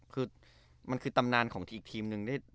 คือมันคือตำนานของอีกทีมหนึ่ง